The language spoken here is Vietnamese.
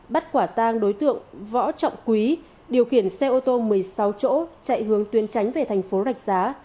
bắt quả tang đối tượng võ trọng quý điều khiển xe ô tô một mươi sáu chỗ chạy hướng tuyến tránh về thành phố rạch giá